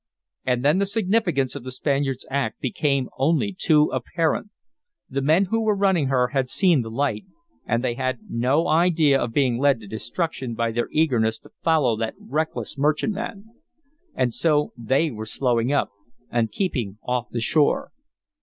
And then the significance of the Spaniard's act became only too apparent. The men who were running her had seen the light, and they had no idea of being led to destruction by their eagerness to follow that reckless merchantman. And so they were slowing up and keeping off the shore.